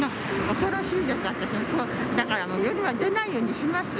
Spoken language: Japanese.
恐ろしいです、私は、だからもう夜は出ないようにします。